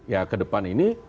ya ke depan ini